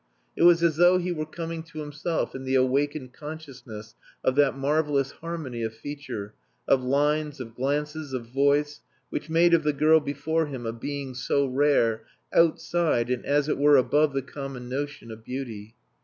It was as though he were coming to himself in the awakened consciousness of that marvellous harmony of feature, of lines, of glances, of voice, which made of the girl before him a being so rare, outside, and, as it were, above the common notion of beauty.